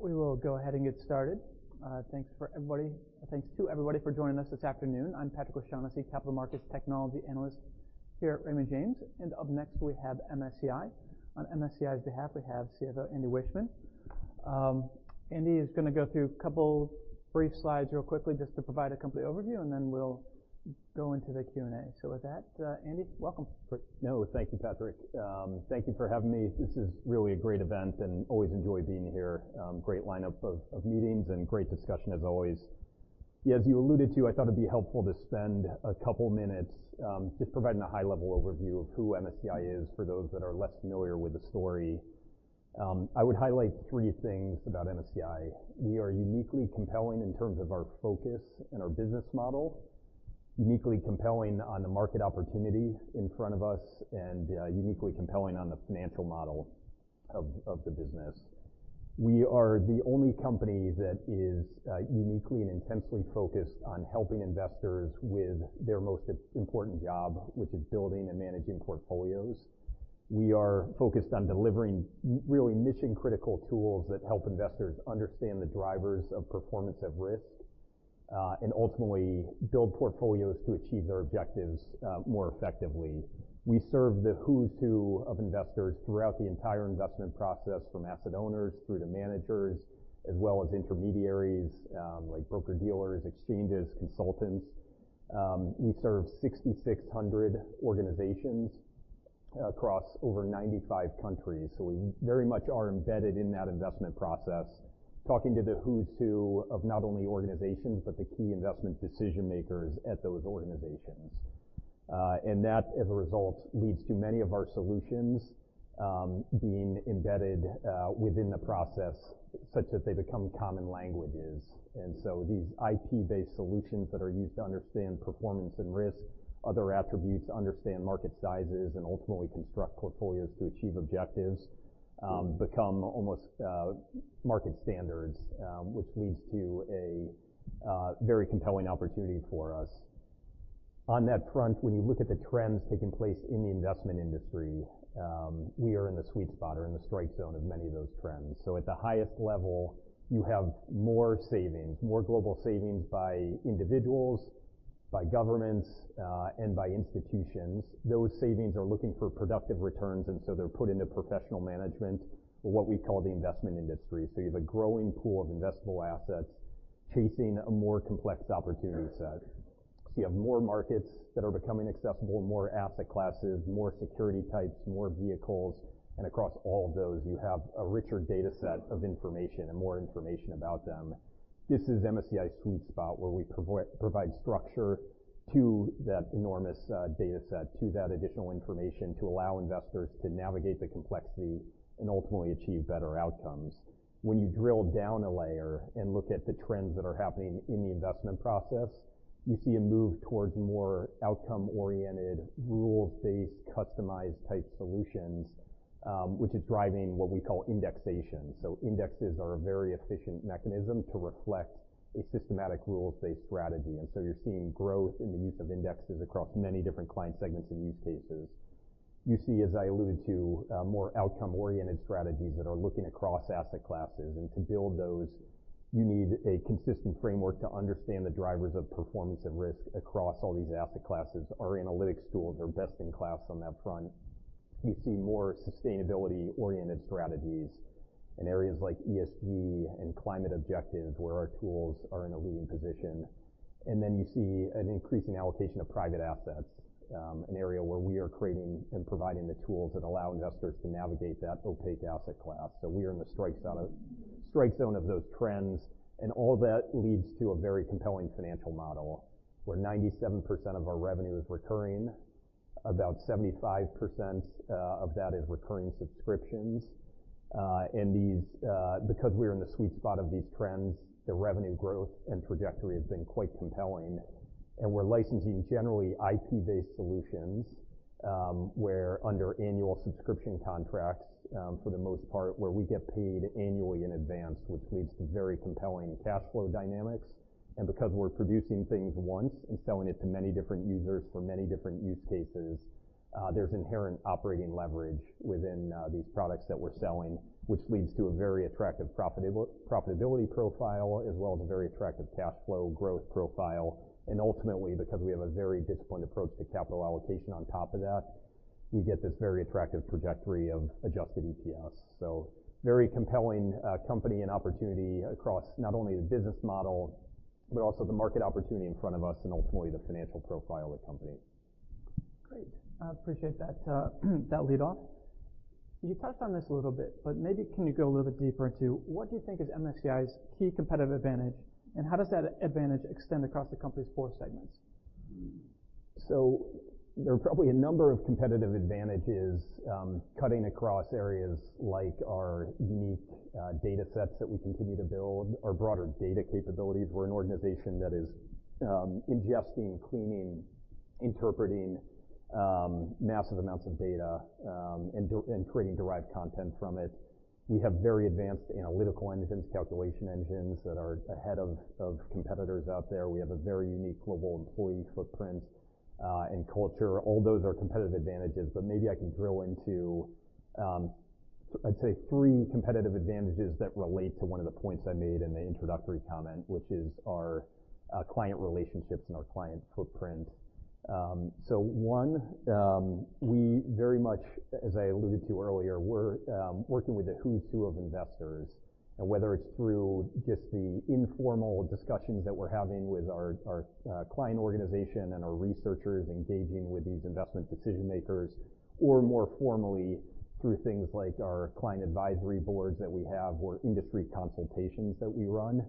We will go ahead and get started. Thanks to everybody for joining us this afternoon. I'm Patrick O'Shaughnessy, Capital Markets Technology Analyst here at Raymond James. Up next, we have MSCI. On MSCI's behalf, we have CFO, Andy Wiechmann. Andy is gonna go through a couple brief slides real quickly just to provide a company overview, and then we'll go into the Q&A. With that, Andy, welcome. No, thank you, Patrick. Thank you for having me. This is really a great event. Always enjoy being here. Great lineup of meetings and great discussion as always. As you alluded to, I thought it'd be helpful to spend a couple minutes just providing a high-level overview of who MSCI is for those that are less familiar with the story. I would highlight three things about MSCI. We are uniquely compelling in terms of our focus and our business model, uniquely compelling on the market opportunity in front of us, and uniquely compelling on the financial model of the business. We are the only company that is uniquely and intensely focused on helping investors with their most important job, which is building and managing portfolios. We are focused on delivering really mission-critical tools that help investors understand the drivers of performance of risk, and ultimately build portfolios to achieve their objectives more effectively. We serve the who's who of investors throughout the entire investment process, from asset owners through to managers, as well as intermediaries, like broker-dealers, exchanges, consultants. We serve 6,600 organizations across over 95 countries, so we very much are embedded in that investment process, talking to the who's who of not only organizations, but the key investment decision-makers at those organizations. That, as a result, leads to many of our solutions being embedded within the process such that they become common languages. These IT-based solutions that are used to understand performance and risk, other attributes, understand market sizes, and ultimately construct portfolios to achieve objectives, become almost market standards, which leads to a very compelling opportunity for us. On that front, when you look at the trends taking place in the investment industry, we are in the sweet spot or in the strike zone of many of those trends. At the highest level, you have more savings, more global savings by individuals, by governments, and by institutions. Those savings are looking for productive returns, and so they're put into professional management or what we call the investment industry. You have a growing pool of investable assets chasing a more complex opportunity set. You have more markets that are becoming accessible, more asset classes, more security types, more vehicles, and across all of those, you have a richer data set of information and more information about them. This is MSCI's sweet spot, where we provide structure to that enormous data set, to that additional information to allow investors to navigate the complexity and ultimately achieve better outcomes. When you drill down a layer and look at the trends that are happening in the investment process, you see a move towards more outcome-oriented, rules-based, customized type solutions, which is driving what we call indexation. Indexes are a very efficient mechanism to reflect a systematic rules-based strategy. You're seeing growth in the use of indexes across many different client segments and use cases. You see, as I alluded to, more outcome-oriented strategies that are looking across asset classes. To build those, you need a consistent framework to understand the drivers of performance and risk across all these asset classes. Our analytics tools are best in class on that front. You see more sustainability-oriented strategies in areas like ESG and climate objectives, where our tools are in a leading position. You see an increasing allocation of private assets, an area where we are creating and providing the tools that allow investors to navigate that opaque asset class. We are in the strike zone of those trends, and all that leads to a very compelling financial model where 97% of our revenue is recurring. About 75% of that is recurring subscriptions. These, because we are in the sweet spot of these trends, the revenue growth and trajectory have been quite compelling. We're licensing generally IT-based solutions, where under annual subscription contracts, for the most part, where we get paid annually in advance, which leads to very compelling cash flow dynamics. Because we're producing things once and selling it to many different users for many different use cases, there's inherent operating leverage within these products that we're selling, which leads to a very attractive profitability profile as well as a very attractive cash flow growth profile. Ultimately, because we have a very disciplined approach to capital allocation on top of that, we get this very attractive trajectory of adjusted EPS. Very compelling, company and opportunity across not only the business model, but also the market opportunity in front of us and ultimately the financial profile of the company. Great. I appreciate that lead off. You touched on this a little bit, but maybe can you go a little bit deeper into what do you think is MSCI's key competitive advantage, and how does that advantage extend across the company's four segments? There are probably a number of competitive advantages, cutting across areas like our unique data sets that we continue to build, our broader data capabilities. We're an organization that is ingesting, cleaning, interpreting, massive amounts of data, and creating derived content from it. We have very advanced analytical engines, calculation engines that are ahead of competitors out there. We have a very unique global employee footprint and culture. All those are competitive advantages, but maybe I can drill into I'd say three competitive advantages that relate to one of the points I made in the introductory comment, which is our client relationships and our client footprint. One, we very much, as I alluded to earlier, we're working with the who's who of investors, and whether it's through just the informal discussions that we're having with our client organization and our researchers engaging with these investment decision-makers or more formally through things like our client advisory boards that we have or industry consultations that we run,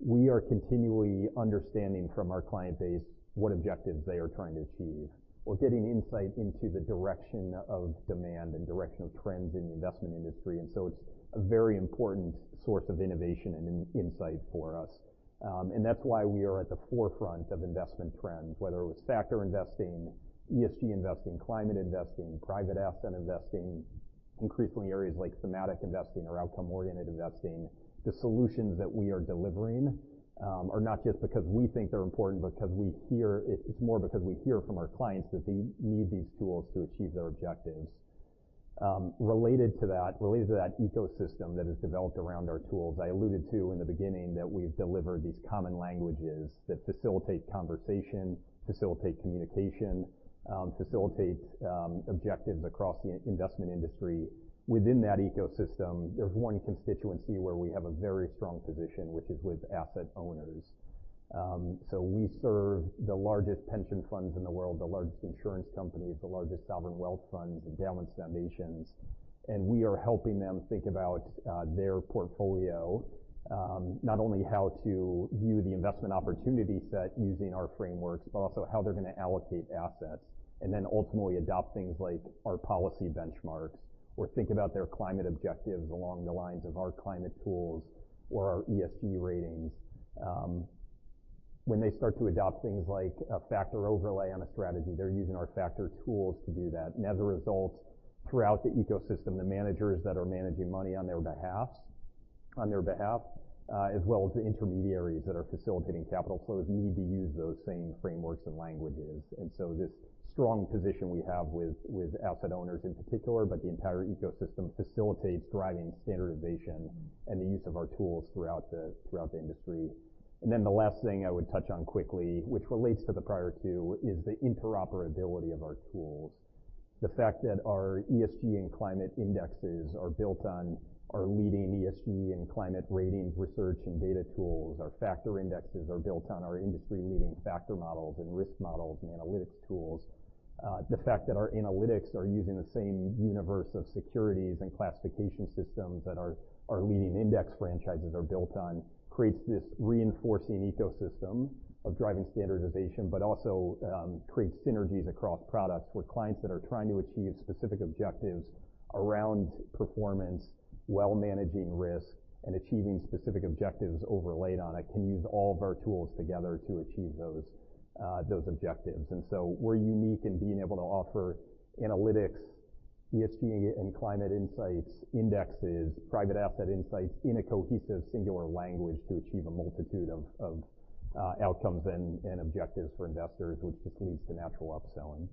we are continually understanding from our client base what objectives they are trying to achieve or getting insight into the direction of demand and direction of trends in the investment industry. It's a very important source of innovation and insight for us. That's why we are at the forefront of investment trends, whether it was factor investing, ESG investing, climate investing, private asset investing, increasingly areas like thematic investing or outcome-oriented investing. The solutions that we are delivering are not just because we think they're important, because we hear. It's more because we hear from our clients that they need these tools to achieve their objectives. Related to that, related to that ecosystem that has developed around our tools, I alluded to in the beginning that we've delivered these common languages that facilitate conversation, facilitate communication, facilitate objectives across the investment industry. Within that ecosystem, there's one constituency where we have a very strong position, which is with asset owners. We serve the largest pension funds in the world, the largest insurance companies, the largest sovereign wealth funds, endowments, foundations, and we are helping them think about their portfolio, not only how to view the investment opportunity set using our frameworks, but also how they're gonna allocate assets, and then ultimately adopt things like our policy benchmarks or think about their climate objectives along the lines of our climate tools or our ESG ratings. When they start to adopt things like a factor overlay on a strategy, they're using our factor tools to do that. As a result, throughout the ecosystem, the managers that are managing money on their behalf, as well as the intermediaries that are facilitating capital flows need to use those same frameworks and languages. This strong position we have with asset owners in particular, but the entire ecosystem facilitates driving standardization and the use of our tools throughout the industry. The last thing I would touch on quickly, which relates to the prior two, is the interoperability of our tools. The fact that our ESG and climate indexes are built on our leading ESG and climate ratings research and data tools, our factor indexes are built on our industry-leading factor models and risk models and analytics tools. The fact that our analytics are using the same universe of securities and classification systems that our leading index franchises are built on creates this reinforcing ecosystem of driving standardization, but also, creates synergies across products, where clients that are trying to achieve specific objectives around performance, while managing risk and achieving specific objectives overlaid on it, can use all of our tools together to achieve those objectives. We're unique in being able to offer analytics, ESG and climate insights, indexes, private asset insights in a cohesive singular language to achieve a multitude of outcomes and objectives for investors, which just leads to natural upselling.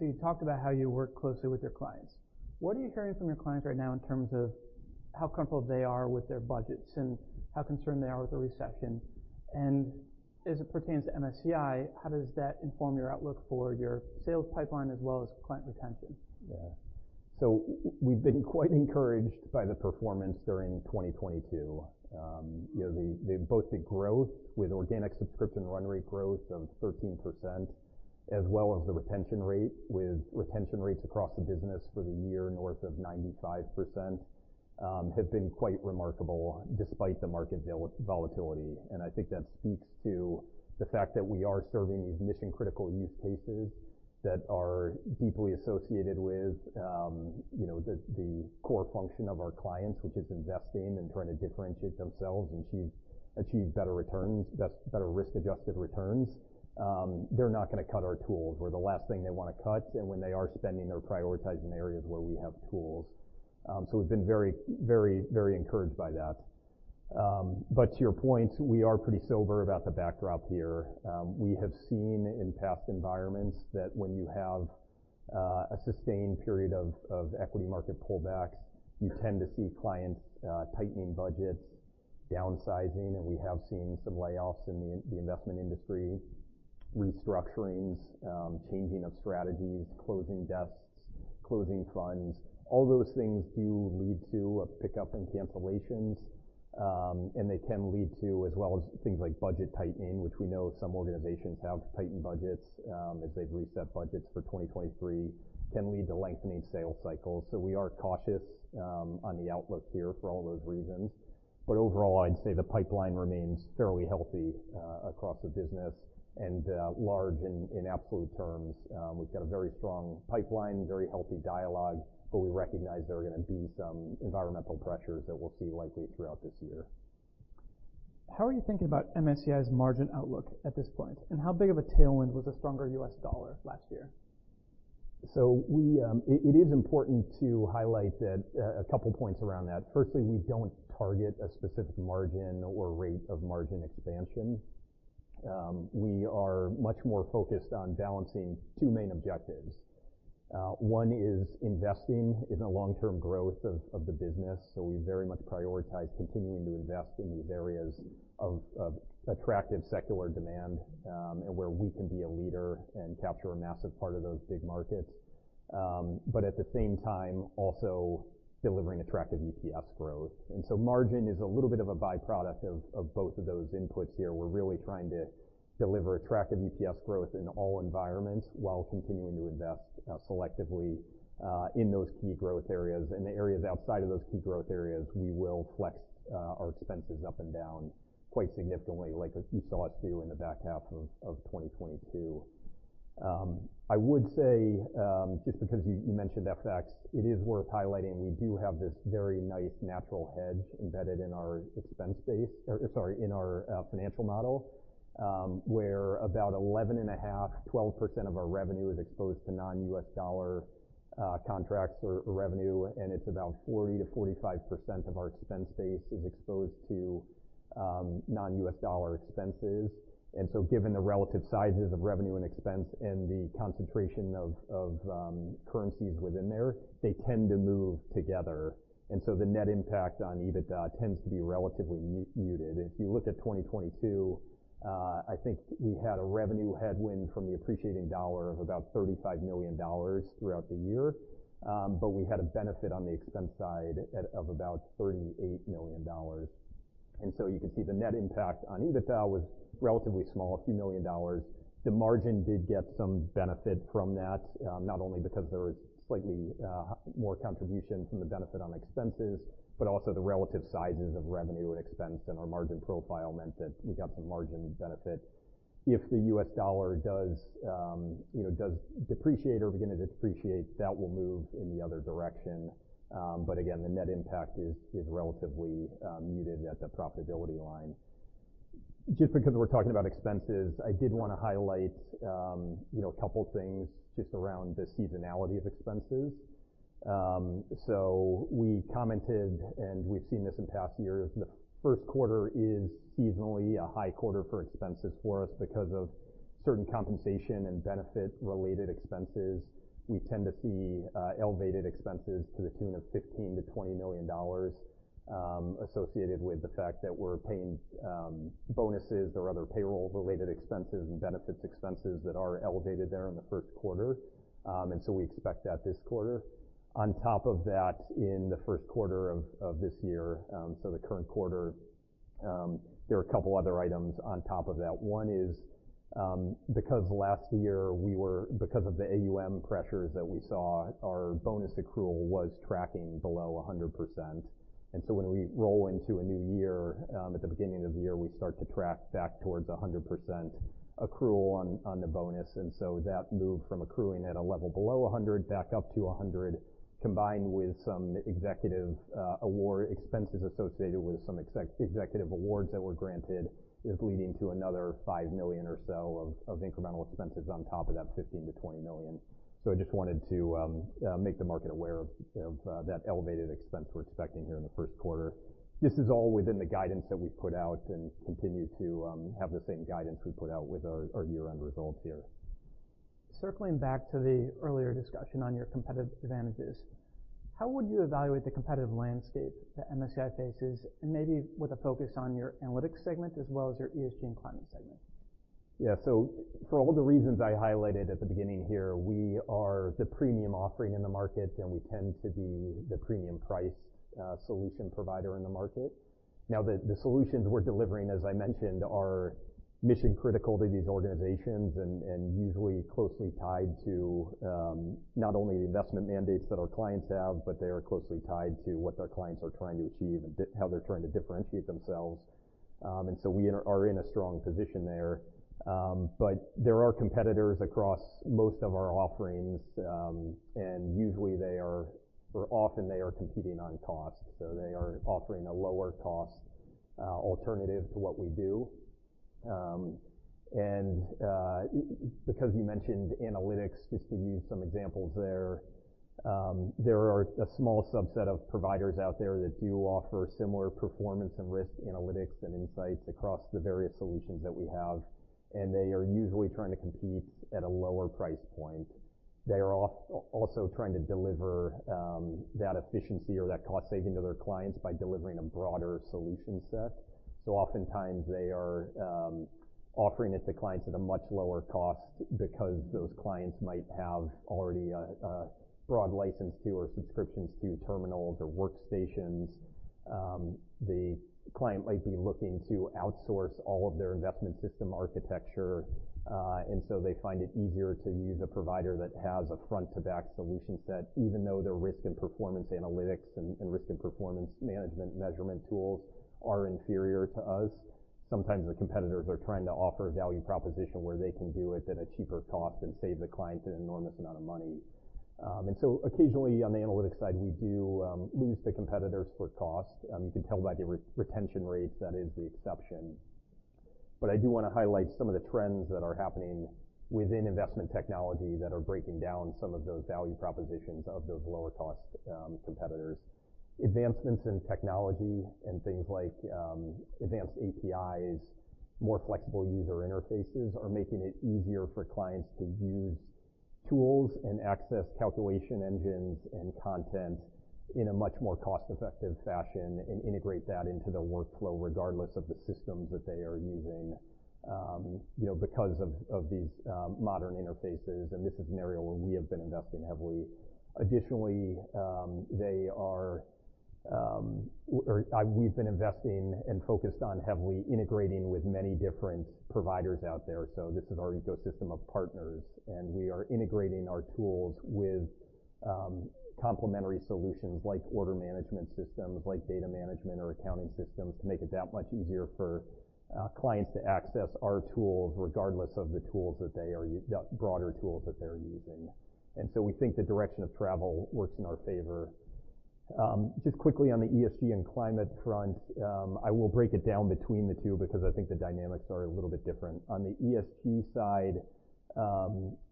You talked about how you work closely with your clients. What are you hearing from your clients right now in terms of how comfortable they are with their budgets and how concerned they are with the recession? As it pertains to MSCI, how does that inform your outlook for your sales pipeline as well as client retention? Yeah. We've been quite encouraged by the performance during 2022. You know, both the growth with organic subscription run rate growth of 13% as well as the retention rate with retention rates across the business for the year north of 95% have been quite remarkable despite the market volatility. I think that speaks to the fact that we are serving these mission-critical use cases that are deeply associated with, you know, the core function of our clients, which is investing and trying to differentiate themselves, achieve better returns, better risk-adjusted returns. They're not gonna cut our tools. We're the last thing they wanna cut, and when they are spending, they're prioritizing areas where we have tools. We've been very encouraged by that. To your point, we are pretty sober about the backdrop here. We have seen in past environments that when you have a sustained period of equity market pullbacks, you tend to see clients tightening budgets, downsizing, and we have seen some layoffs in the investment industry, restructurings, changing of strategies, closing desks, closing funds. All those things do lead to a pickup in cancellations, and they can lead to as well as things like budget tightening, which we know some organizations have tightened budgets, as they've reset budgets for 2023, can lead to lengthening sales cycles. We are cautious on the outlook here for all those reasons. Overall, I'd say the pipeline remains fairly healthy across the business and large in absolute terms. We've got a very strong pipeline, very healthy dialogue, but we recognize there are gonna be some environmental pressures that we'll see likely throughout this year. How are you thinking about MSCI's margin outlook at this point, and how big of a tailwind was the stronger US dollar last year? It is important to highlight that a couple points around that. Firstly, we don't target a specific margin or rate of margin expansion. We are much more focused on balancing two main objectives. One is investing in the long-term growth of the business. We very much prioritize continuing to invest in these areas of attractive secular demand and where we can be a leader and capture a massive part of those big markets. At the same time, also delivering attractive EPS growth. Margin is a little bit of a byproduct of both of those inputs here. We're really trying to deliver attractive EPS growth in all environments while continuing to invest selectively in those key growth areas. In the areas outside of those key growth areas, we will flex our expenses up and down quite significantly, like as you saw us do in the back half of 2022. I would say, just because you mentioned FX, it is worth highlighting, we do have this very nice natural hedge embedded in our expense base or sorry, in our financial model, where about 11.5%-12% of our revenue is exposed to non-U.S. dollar contracts or revenue, and it's about 40%-45% of our expense base is exposed to non-U.S. dollar expenses. Given the relative sizes of revenue and expense and the concentration of currencies within there, they tend to move together. The net impact on EBITDA tends to be relatively muted. If you look at 2022, I think we had a revenue headwind from the appreciating dollar of about $35 million throughout the year, but we had a benefit on the expense side of about $38 million. You can see the net impact on EBITDA was relatively small, a few million dollars. The margin did get some benefit from that, not only because there was slightly more contribution from the benefit on expenses, but also the relative sizes of revenue and expense and our margin profile meant that we got some margin benefit. If the US dollar does, you know, does depreciate or begin to depreciate, that will move in the other direction. Again, the net impact is relatively muted at the profitability line. Just because we're talking about expenses, I did wanna highlight, you know, a couple things just around the seasonality of expenses. We commented, and we've seen this in past years, the Q1 is seasonally a high quarter for expenses for us because of certain compensation and benefit-related expenses. We tend to see elevated expenses to the tune of $15 million-$20 million associated with the fact that we're paying bonuses or other payroll-related expenses and benefits expenses that are elevated there in the Q1. We expect that this quarter. On top of that, in the Q1 of this year, so the current quarter, there are a couple other items on top of that. One is, because last year because of the AUM pressures that we saw, our bonus accrual was tracking below 100%. When we roll into a new year, at the beginning of the year, we start to track back towards 100% accrual on the bonus. That moved from accruing at a level below 100% back up to 100%, combined with some executive award expenses associated with some executive awards that were granted, is leading to another $5 million or so of incremental expenses on top of that $15 million-$20 million. I just wanted to make the market aware of that elevated expense we're expecting here in the Q1. This is all within the guidance that we put out and continue to have the same guidance we put out with our year-end results here. Circling back to the earlier discussion on your competitive advantages, how would you evaluate the competitive landscape that MSCI faces, and maybe with a focus on your analytics segment as well as your ESG and climate segment. Yeah. For all the reasons I highlighted at the beginning here, we are the premium offering in the market, and we tend to be the premium price solution provider in the market. The solutions we're delivering, as I mentioned, are mission-critical to these organizations and usually closely tied to not only the investment mandates that our clients have, but they are closely tied to what their clients are trying to achieve and how they're trying to differentiate themselves. We are in a strong position there. There are competitors across most of our offerings, and often they are competing on cost. They are offering a lower cost alternative to what we do. Because you mentioned analytics, just to use some examples there are a small subset of providers out there that do offer similar performance and risk analytics and insights across the various solutions that we have, and they are usually trying to compete at a lower price point. They are also trying to deliver that efficiency or that cost saving to their clients by delivering a broader solution set. Oftentimes they are offering it to clients at a much lower cost because those clients might have already a broad license to or subscriptions to terminals or workstations. The client might be looking to outsource all of their investment system architecture. They find it easier to use a provider that has a front-to-back solution set, even though their risk and performance analytics and risk and performance management measurement tools are inferior to us. Sometimes the competitors are trying to offer a value proposition where they can do it at a cheaper cost and save the client an enormous amount of money. Occasionally on the analytics side, we do lose to competitors for cost. You can tell by the retention rates that is the exception. I do wanna highlight some of the trends that are happening within investment technology that are breaking down some of those value propositions of those lower cost competitors. Advancements in technology and things like, advanced APIs, more flexible user interfaces are making it easier for clients to use tools and access calculation engines and content in a much more cost-effective fashion and integrate that into the workflow regardless of the systems that they are using, you know, because of these modern interfaces. This is an area where we have been investing heavily. Additionally, we've been investing and focused on heavily integrating with many different providers out there. This is our ecosystem of partners, and we are integrating our tools with complementary solutions like order management systems, like data management or accounting systems, to make it that much easier for clients to access our tools regardless of the tools that they are the broader tools that they're using. We think the direction of travel works in our favor. Just quickly on the ESG and climate front, I will break it down between the two because I think the dynamics are a little bit different. On the ESG side,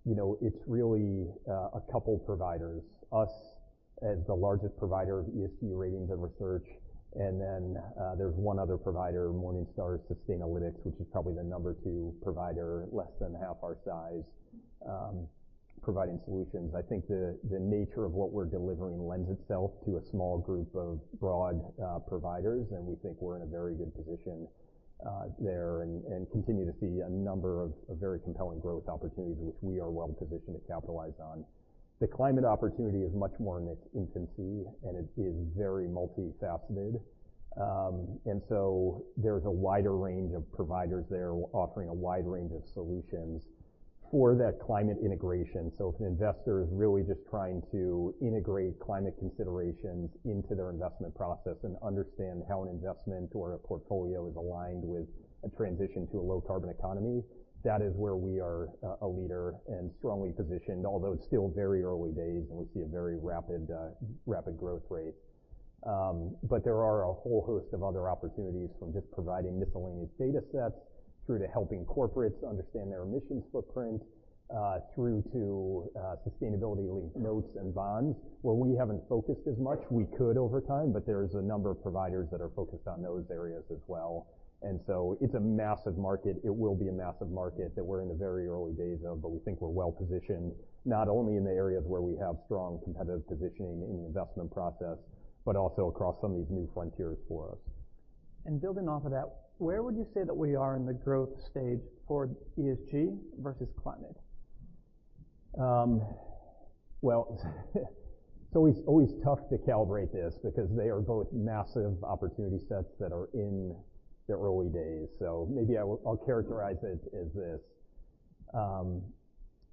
you know, it's really a couple providers, us as the largest provider of ESG ratings and research, and then there's one other provider, Morningstar Sustainalytics, which is probably the number two provider, less than half our size, providing solutions. I think the nature of what we're delivering lends itself to a small group of broad providers, and we think we're in a very good position there and continue to see a number of very compelling growth opportunities which we are well positioned to capitalize on. The climate opportunity is much more in its infancy, and it is very multifaceted. There's a wider range of providers there offering a wide range of solutions for that climate integration. If an investor is really just trying to integrate climate considerations into their investment process and understand how an investment or a portfolio is aligned with a transition to a low carbon economy, that is where we are a leader and strongly positioned, although it's still very early days, and we see a very rapid growth rate. There are a whole host of other opportunities from just providing miscellaneous data sets through to helping corporates understand their emissions footprint, through to sustainability-linked notes and bonds where we haven't focused as much. We could over time, but there's a number of providers that are focused on those areas as well. It's a massive market. It will be a massive market that we're in the very early days of, but we think we're well-positioned, not only in the areas where we have strong competitive positioning in the investment process, but also across some of these new frontiers for us. Building off of that, where would you say that we are in the growth stage for ESG versus climate? Well, it's always tough to calibrate this because they are both massive opportunity sets that are in the early days. Maybe I'll characterize it as this: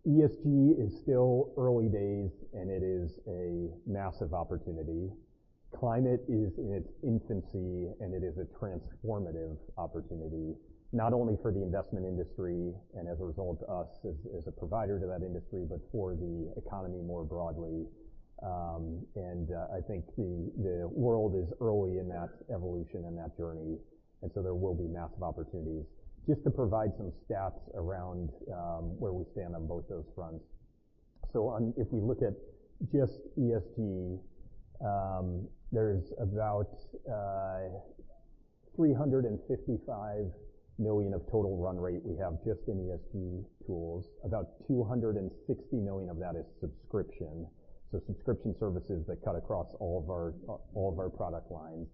ESG is still early days, and it is a massive opportunity. Climate is in its infancy, and it is a transformative opportunity, not only for the investment industry and as a result us as a provider to that industry, but for the economy more broadly. I think the world is early in that evolution and that journey, and so there will be massive opportunities. Just to provide some stats around where we stand on both those fronts. If we look at just ESG, there's about $355 million of total run rate we have just in ESG tools. About $260 million of that is subscription, so subscription services that cut across all of our product lines.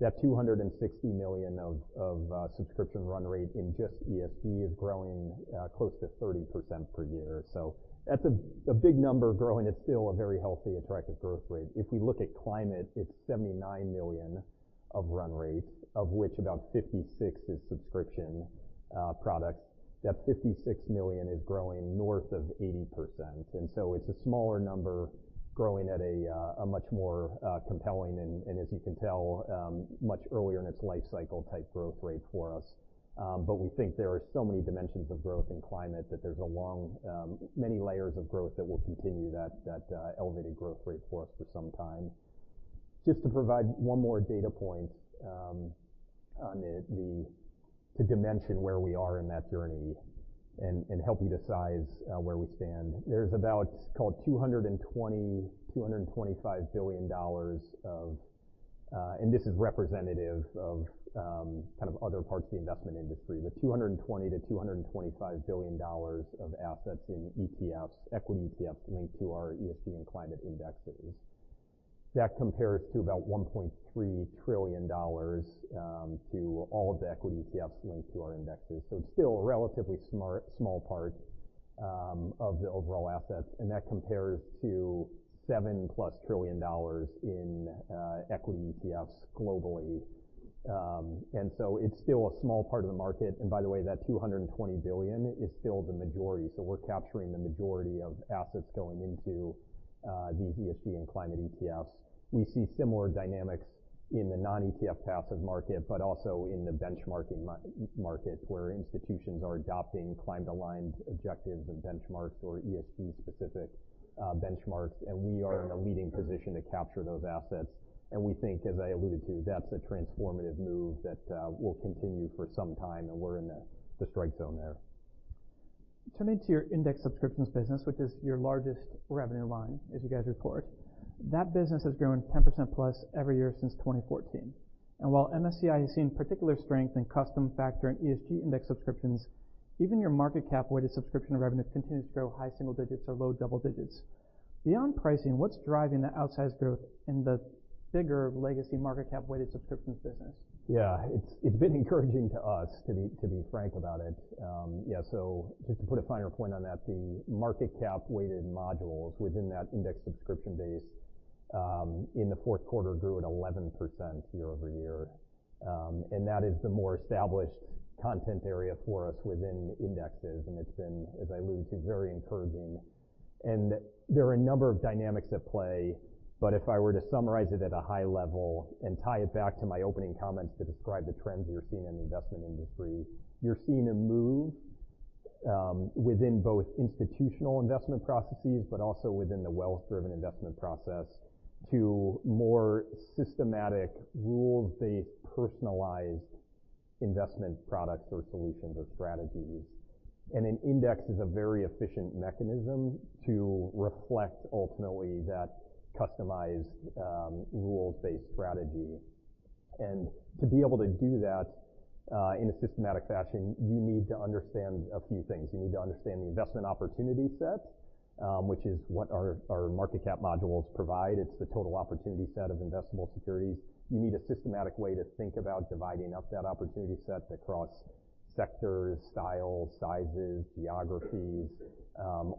That $260 million of subscription run rate in just ESG is growing close to 30% per year. That's a big number growing at still a very healthy, attractive growth rate. If we look at climate, it's $79 million of run rate, of which about $56 million is subscription products. That $56 million is growing north of 80%. It's a smaller number growing at a much more compelling and as you can tell, much earlier in its lifecycle type growth rate for us. We think there are so many dimensions of growth in climate that there's a long, many layers of growth that will continue that elevated growth rate for us for some time. Just to provide one more data point on the dimension where we are in that journey and help you to size where we stand. There's about call it $220 billion-$225 billion of assets. This is representative of kind of other parts of the investment industry, but $220 billion-$225 billion of assets in ETFs, equity ETFs linked to our ESG and climate indexes. That compares to about $1.3 trillion to all of the equity ETFs linked to our indexes. It's still a relatively small part of the overall assets, and that compares to $7+ trillion in equity ETFs globally. It's still a small part of the market. By the way, that $220 billion is still the majority. We're capturing the majority of assets going into these ESG and climate ETFs. We see similar dynamics in the non-ETF passive market but also in the benchmarking market where institutions are adopting climate-aligned objectives and benchmarks or ESG-specific benchmarks, and we are in a leading position to capture those assets. We think, as I alluded to, that's a transformative move that will continue for some time, and we're in the strike zone there. Turning to your index subscriptions business, which is your largest revenue line as you guys report. That business has grown 10% plus every year since 2014. While MSCI has seen particular strength in custom factor and ESG index subscriptions, even your market cap-weighted subscription revenue continues to grow high single digits or low double digits. Beyond pricing, what's driving the outsized growth in the bigger legacy market cap-weighted subscriptions business? Yeah. It's been encouraging to us to be frank about it. Just to put a finer point on that, the market cap-weighted modules within that index subscription base, in the Q4 grew at 11% year-over-year. That is the more established content area for us within indexes, and it's been, as I alluded to, very encouraging. There are a number of dynamics at play. If I were to summarize it at a high level and tie it back to my opening comments to describe the trends you're seeing in the investment industry, you're seeing a move within both institutional investment processes, but also within the wealth-driven investment process to more systematic, rules-based, personalized investment products or solutions or strategies. An index is a very efficient mechanism to reflect ultimately that customized, rules-based strategy. To be able to do that, in a systematic fashion, you need to understand a few things. You need to understand the investment opportunity set, which is what our market cap modules provide. It's the total opportunity set of investable securities. You need a systematic way to think about dividing up that opportunity set across sectors, styles, sizes, geographies,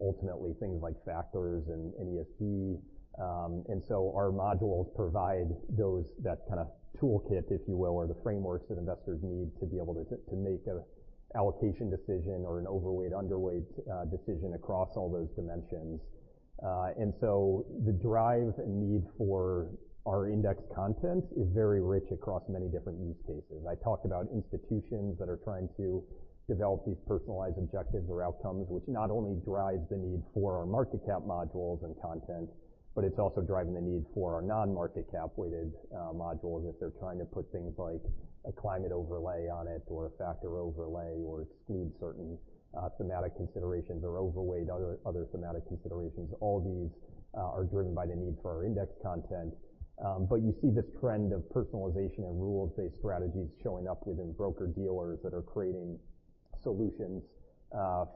ultimately things like factors and ESG. Our modules provide that kind of toolkit, if you will, or the frameworks that investors need to be able to make a allocation decision or an overweight, underweight decision across all those dimensions. The drive and need for our index content is very rich across many different use cases. I talked about institutions that are trying to develop these personalized objectives or outcomes, which not only drives the need for our market cap modules and content, but it's also driving the need for our non-market cap-weighted modules. If they're trying to put things like a climate overlay on it or a factor overlay or exclude certain thematic considerations or overweight other thematic considerations, all these are driven by the need for our index content. You see this trend of personalization and rules-based strategies showing up within broker-dealers that are creating solutions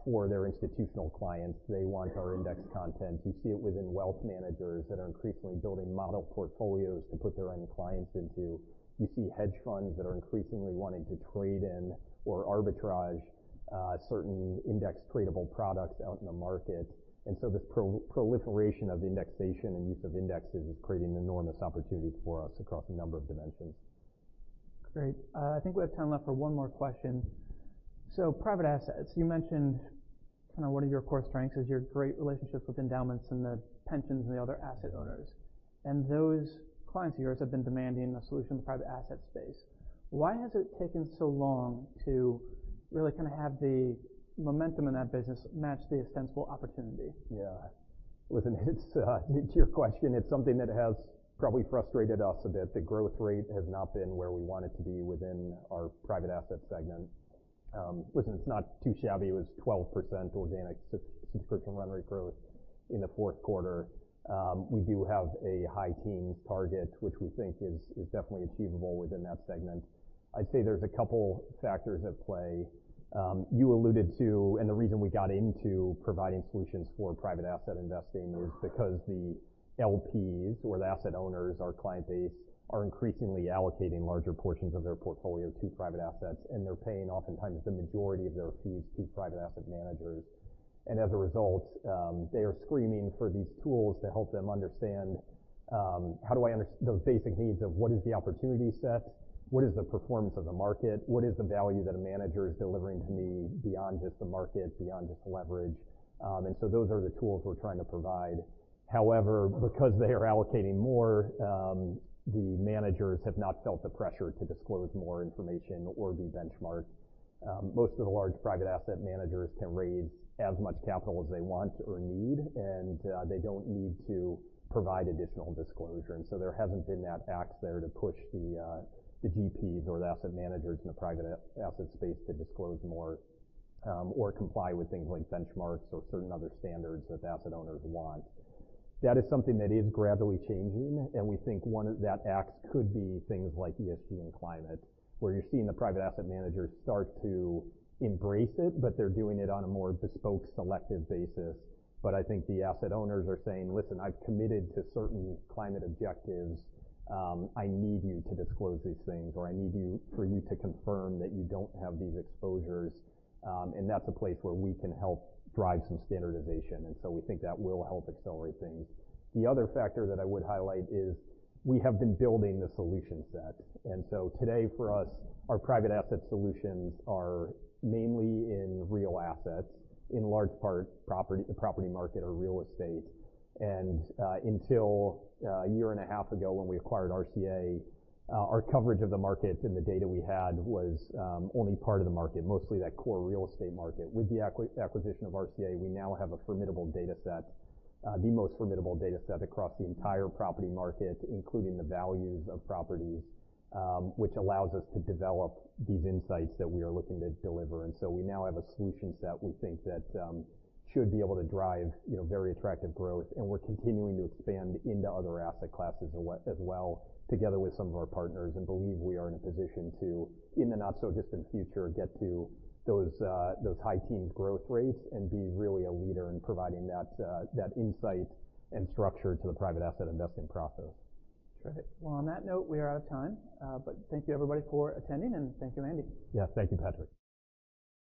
for their institutional clients. They want our index content. You see it within wealth managers that are increasingly building model portfolios to put their own clients into. You see hedge funds that are increasingly wanting to trade in or arbitrage certain index tradable products out in the market. This pro-proliferation of indexation and use of indexes is creating enormous opportunities for us across a number of dimensions. Great. I think we have time left for one more question. Private assets, you mentioned kind of one of your core strengths is your great relationships with endowments and the pensions and the other asset owners. Those clients of yours have been demanding a solution in the private asset space. Why has it taken so long to really kinda have the momentum in that business match the ostensible opportunity? Yeah. Listen, it's to your question, it's something that has probably frustrated us a bit. The growth rate has not been where we want it to be within our private asset segment. Listen, it's not too shabby. It was 12% organic subscription run rate growth in the Q4. We do have a high teens target, which we think is definitely achievable within that segment. I'd say there's a couple factors at play. You alluded to, the reason we got into providing solutions for private asset investing is because the L.P.s or the asset owners, our client base, are increasingly allocating larger portions of their portfolio to private assets, and they're paying oftentimes the majority of their fees to private asset managers. As a result, they are screaming for these tools to help them understand. those basic needs of what is the opportunity set? What is the performance of the market? What is the value that a manager is delivering to me beyond just the market, beyond just leverage? Those are the tools we're trying to provide. However, because they are allocating more, the managers have not felt the pressure to disclose more information or be benchmarked. Most of the large private asset managers can raise as much capital as they want or need, and they don't need to provide additional disclosure. There hasn't been that axe there to push the GPs or the asset managers in the private asset space to disclose more, or comply with things like benchmarks or certain other standards that the asset owners want. That is something that is gradually changing, and we think one of... that axe could be things like ESG and climate, where you're seeing the private asset managers start to embrace it, but they're doing it on a more bespoke, selective basis. I think the asset owners are saying, "Listen, I've committed to certain climate objectives. I need you to disclose these things, or I need you to confirm that you don't have these exposures." That's a place where we can help drive some standardization. We think that will help accelerate things. The other factor that I would highlight is we have been building the solution set. Today for us, our private asset solutions are mainly in real assets, in large part property, the property market or real estate. Until a year and a half ago when we acquired RCA, our coverage of the market and the data we had was only part of the market, mostly that core real estate market. With the acquisition of RCA, we now have a formidable data set, the most formidable data set across the entire property market, including the values of properties, which allows us to develop these insights that we are looking to deliver. We now have a solution set we think that should be able to drive, you know, very attractive growth. We're continuing to expand into other asset classes as well together with some of our partners and believe we are in a position to, in the not so distant future, get to those high teens growth rates and be really a leader in providing that insight and structure to the private asset investing process. Great. Well, on that note, we are out of time. Thank you everybody for attending, and thank you, Andy. Yeah. Thank you, Patrick.